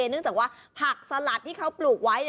เนื่องจากว่าผักสลัดที่เขาปลูกไว้